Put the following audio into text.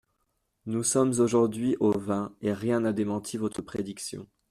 Nous sommes aujourd’hui au vingt, et rien n’a démenti votre prédiction.